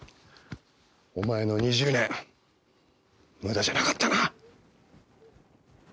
お前の２０年無駄じゃなかったな。